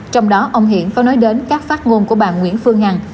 trong đó ông hiển có nói đến các phát ngôn của bà nguyễn phương hằng